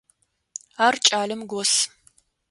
Ар кӏалэм гос.